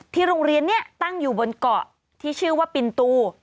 โรงเรียนนี้ตั้งอยู่บนเกาะที่ชื่อว่าปินตู